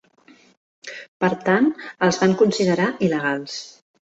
Per tant, els van considerar il·legals.